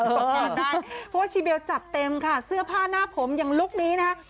ตกงานได้เพราะว่าชีเบลจัดเต็มค่ะเสื้อผ้าหน้าผมอย่างลุคนี้นะคะ